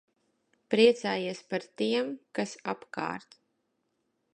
Priecājies par tiem, kas apkārt.